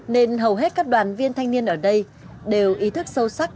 nên hầu hết các đoàn viên thanh niên ở đây đều ý thức sâu sắc